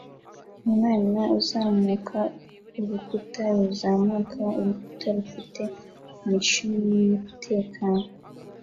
Umwana uzamuka urukuta ruzamuka urukuta rufite imishumi yumutekano